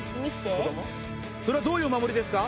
それはどういうお守りですか？